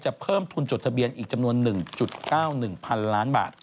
เพิ่มทุนจดทะเบียนอีกจำนวน๑๙๑๐๐๐ล้านบาท